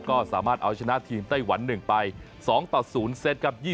ก็สามารถเอาชนะทีมไต้หวัน๑ไป๒ต่อ๐เซตครับ